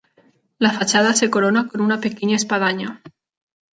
La fachada se corona con una pequeña espadaña.